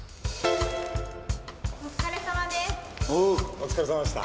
お疲れさまです。